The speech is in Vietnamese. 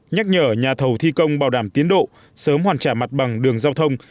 nhắc nhở nhà thầu thi công bảo đảm tiến độ sớm hoàn trả mặt bằng đường giao thông